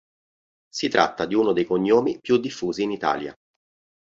Si tratta di uno dei cognomi più diffusi in Italia.